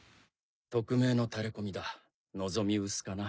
匿名のタレこみだ望み薄かな。